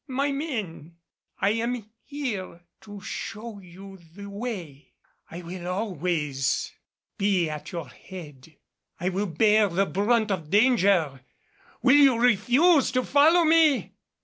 My men, I am here to show you the way, I will be always at your head, I will bear the brunt of danger. Will you refuse to follow me?"